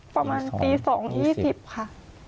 ประมาณตี๒๒๐ค่ะ